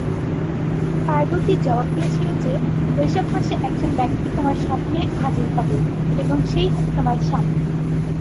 পার্বতী জবাব দিয়েছিল যে "বৈশাখ মাসে একজন ব্যক্তি তোমার স্বপ্নে হাজির হবে এবং সেই হবে তোমার স্বামী।"